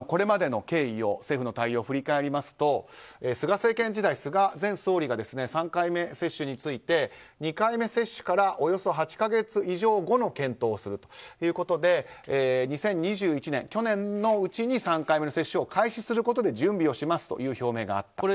鈴木さんの指摘なんですがちょっと、これまでの経緯政府の対応を振り返りますと菅政権時代、菅前総理が３回目接種について２回目接種からおよそ８か月以上後の検討をするということで２０２１年、去年のうちに３回目の接種を開始することで準備をしますという表明があった。